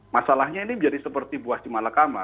masalahnya ini menjadi seperti buah simalakama